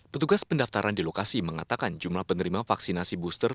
petugas pendaftaran di lokasi mengatakan jumlah penerima vaksinasi booster